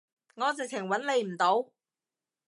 我直情揾你唔到